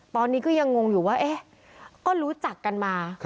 ตอนนี้ก็ยังงงอยู่ว่าเอ๊ะก็รู้จักกันมา